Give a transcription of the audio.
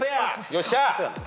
よっしゃ！